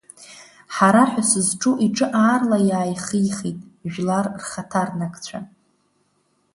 Ҳара ҳәа сызҿу, иҿы аарла иааихихит, жәлар рхаҭарнакцәа.